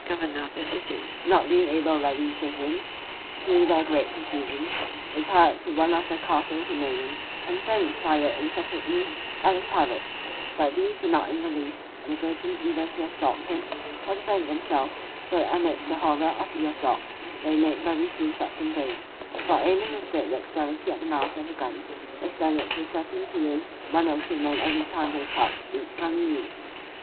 The governor of the city, not being able to rally the citizens, through their great confusion, retired to one of the castles remaining, and thence fired incessantly at the pirates: but these were not in the least negligent either to assault him, or defend themselves, so that amidst the horror of the assault, they made very few shots in vain; for aiming with great dexterity at the mouths of the guns, the Spaniards were certain to lose one or two men every time they charged each gun anew.